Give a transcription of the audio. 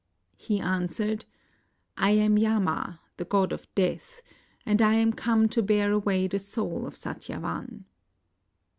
He an swered. "I am Yama, the god of death, and I am come to bear away the soul of Satyavan."